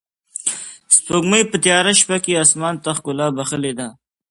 سپوږمۍ په تیاره شپه کې اسمان ته ښکلا بښلې ده.